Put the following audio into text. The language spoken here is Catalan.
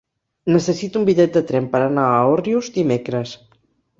Necessito un bitllet de tren per anar a Òrrius dimecres.